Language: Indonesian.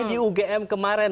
di ugm kemarin